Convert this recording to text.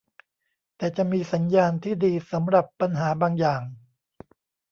แต่จะมีสัญญาณที่ดีสำหรับปัญหาบางอย่าง